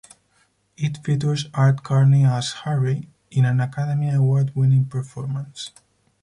It features Art Carney as Harry in an Academy Award-winning performance.